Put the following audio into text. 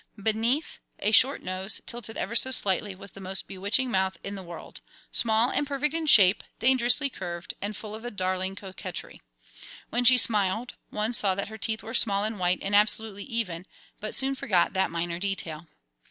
Beneath a short nose, tilted ever so slightly, was the most bewitching mouth in the world small and perfect in shape, dangerously curved, and full of a daring coquetry. When she smiled, one saw that her teeth were small and white and absolutely even, but soon forgot that minor detail.